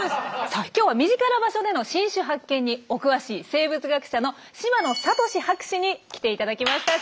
さあ今日は身近な場所での新種発見にお詳しい生物学者の島野智之博士に来て頂きました。